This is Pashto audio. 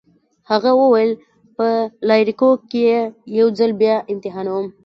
هغه وویل: په لایریکو کي يې یو ځل بیا امتحانوم.